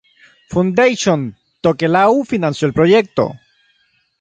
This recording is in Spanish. Foundation Tokelau financió el proyecto.